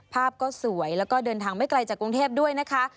ภาพก็สวยแล้วก็เดินทางไม่ไกลจากกรุงเทพด้วยนะคะ